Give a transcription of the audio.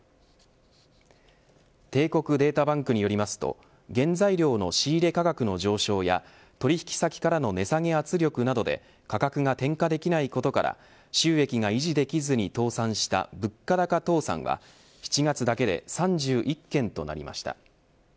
帝国データバンクによりますと原材料の仕入れ価格の上昇や取引先からの値下げ圧力などで価格が転嫁できないことから収益が維持できずに倒産した物価高倒産は７月だけで３１件となりました。